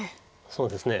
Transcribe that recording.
そうですね。